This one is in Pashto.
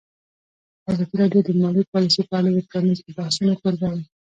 ازادي راډیو د مالي پالیسي په اړه د پرانیستو بحثونو کوربه وه.